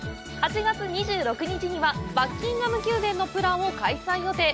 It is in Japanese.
８月２６日にはバッキンガム宮殿のプランを開催予定！